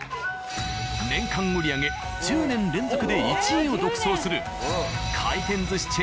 年間売り上げ１０年連続で１位を独走する。